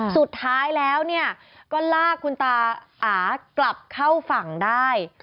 สุดท้ายแล้วก็ลากคุณตาอากลับเข้าฝั่งได้